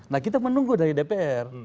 nah kita menunggu dari dpr